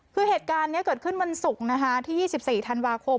คือเหตุการณ์นี้เกิดขึ้นวันศุกร์นะคะที่๒๔ธันวาคม